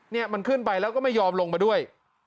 เนี่ยมันขึ้นไปแล้วก็ไม่ยอมลงมาด้วย